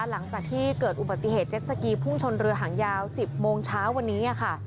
หลังจากที่เกิดอุบัติเหตุเจ็ดสกีพุ่งชนเรือหางยาว๑๐โมงเช้าวันนี้ค่ะ